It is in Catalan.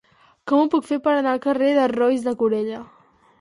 Com ho puc fer per anar al carrer de Roís de Corella?